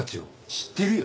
知ってるよ。